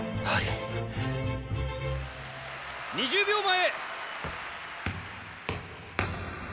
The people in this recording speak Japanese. ２０秒前。